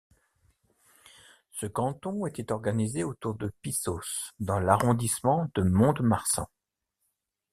Ce canton était organisé autour de Pissos dans l'arrondissement de Mont-de-Marsan.